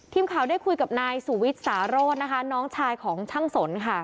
ทีมข่าวได้คุยกับนายสุวิทย์สารโรธนะคะน้องชายของช่างสนค่ะ